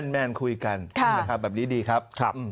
แมนคุยกันนะครับแบบนี้ดีครับ